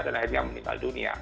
dan akhirnya meninggal dunia